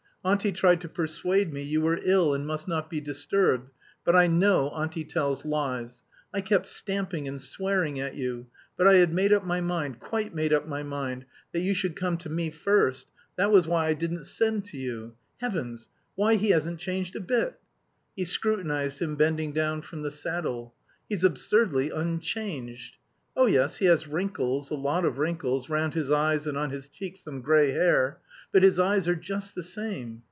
Auntie tried to persuade me you were ill and must not be disturbed; but I know Auntie tells lies. I kept stamping and swearing at you, but I had made up my mind, quite made up my mind, that you should come to me first, that was why I didn't send to you. Heavens, why he hasn't changed a bit!" She scrutinised him, bending down from the saddle. "He's absurdly unchanged. Oh, yes, he has wrinkles, a lot of wrinkles, round his eyes and on his cheeks some grey hair, but his eyes are just the same.